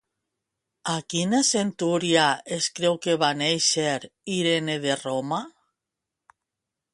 A quina centúria es creu que va néixer Irene de Roma?